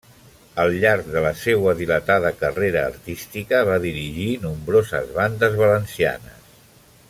Al llarg de la seua dilatada carrera artística, va dirigir nombroses bandes valencianes.